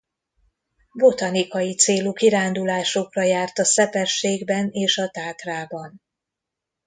Botanikai célú kirándulásokra járt a Szepességben és a Tátrában.